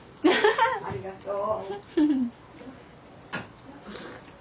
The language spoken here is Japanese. ありがとう。